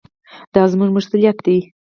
دا زموږ مسوولیت دی.